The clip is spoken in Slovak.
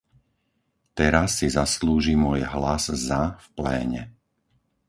Teraz si zaslúži môj hlas za v pléne.